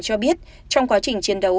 cho biết trong quá trình chiến đấu